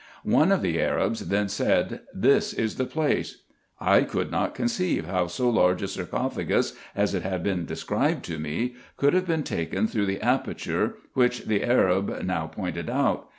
One of the Arabs then said " This is the place." I could not conceive how so large a sarco phagus, as it had been described to me, could have been taken h 2 52 RESEARCHES AND OPERATIONS through the aperture, which the Arab now pointed out.